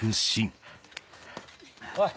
おい。